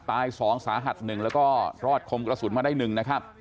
ตาย๒สาหัส๑และก็รอดคมกระสุนมา๑